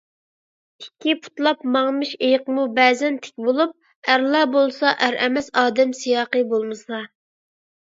ئىككى پۇتلاپ ماڭىمىش ئىيىقمۇ بەزەن تىك بولۇپ، ئەرلا بولسا ئەر ئەمەس، ئادەم سىياقى بولمىسا.